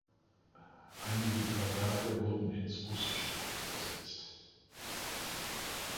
Einige ihrer Werke wurden ins Russische übersetzt.